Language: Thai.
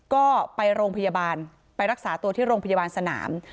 ก็ไปโรงพยาบาลไปรักษาตัวที่โรงพยาบาลสนาม